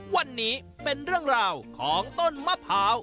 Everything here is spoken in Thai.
วันนี้เป็นเรื่องราวของต้นมะพร้าว